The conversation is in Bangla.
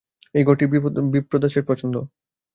এই ঘরটিই বিপ্রদাসের পছন্দ।